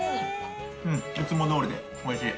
うんいつもどおりでおいしい！